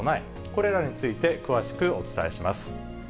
これらについて詳しくお伝えします。